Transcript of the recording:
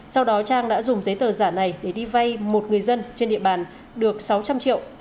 sau đó trang đã dùng giấy tờ giả này để đi vay một người dân trên địa bàn được sáu trăm linh triệu